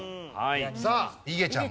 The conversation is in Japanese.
さあいげちゃんも。